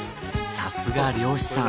さすが漁師さん